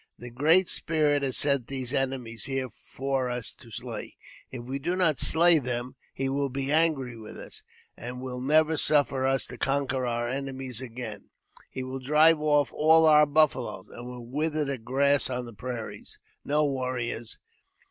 The Great Spirit has sent these enemies here for us to slay ; if we do not slay them, he will be angry with us, and will never suffer us to conquer our enemies again. He will drive off all our buffaloes, and will wither the grass on the prairies. No, warriors